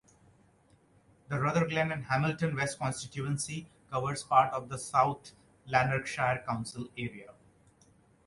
The Rutherglen and Hamilton West constituency covers part of the South Lanarkshire council area.